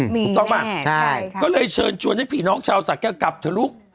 ถูกต้องป่ะใช่ก็เลยเชิญชวนให้ผีน้องชาวสะแก้วกลับเถอะลูก